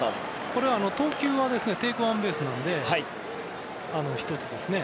これは投球はテイクワンベースなので１つですね。